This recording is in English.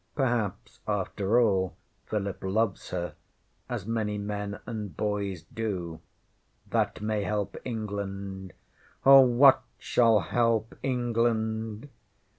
Perhaps, after all, Philip loves her as many men and boys do. That may help England. Oh, what shall help England?